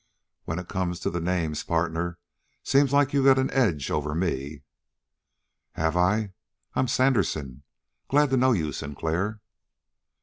"When it comes to the names, partner, seems like you got an edge over me." "Have I? I'm Sandersen. Glad to know you, Sinclair."